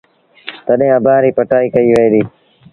تڏهيݩ آݩبآݩ ريٚ پٽآئيٚ ڪئيٚ وهي ديٚ۔